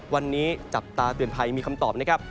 วันนี้จับตาเตือนภัยมีคำตอบนะครับ